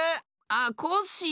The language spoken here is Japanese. あっコッシー。